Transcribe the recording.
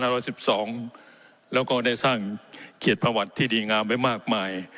เราก็ได้สร้างเกียรติภาวร์ที่ดีงามไปมากมาย